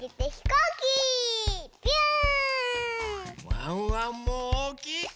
ワンワンもおおきいひ